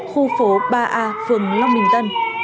khu phố ba a phường long bình tân